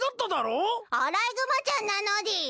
アライグマちゃんなのでぃす！